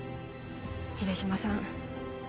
秀島さん